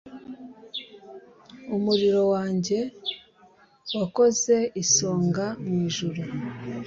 Umuriro wanjye wakoze isonga mu ijuru